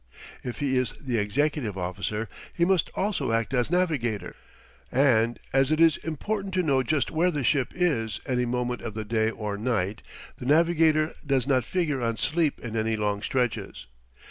If he is the executive officer he must also act as navigator; and as it is important to know just where the ship is any moment of the day or night, the navigator does not figure on sleep in any long stretches.